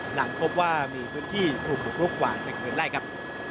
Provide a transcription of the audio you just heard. หลังพบว่ามีพื้นที่ถูกบุกลุกหวานในกลุ่นได้ครับ